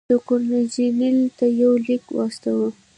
ده ګورنرجنرال ته یو لیک واستاوه.